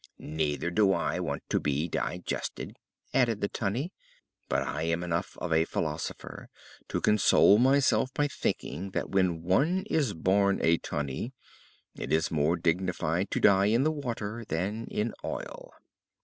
"Neither do I want to be digested," added the Tunny; "but I am enough of a philosopher to console myself by thinking that when one is born a Tunny it is more dignified to die in the water than in oil."